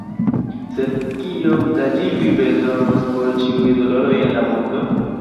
Sed kiom da ĝi Vi bezonos por ĉiuj doloroj en la mondo?